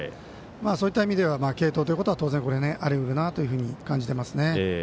そういった意味では継投ということは当然、ありうるなと感じています。